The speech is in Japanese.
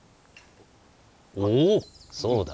おぉそうだ。